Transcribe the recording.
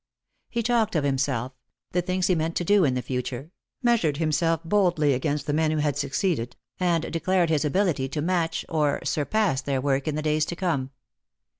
He talked of himself, the things he meant to do in the future, measured himself boldly against the men who had succeeded, and declared his ability to match or Jjost for Love. 57 surpass their work in the days to come.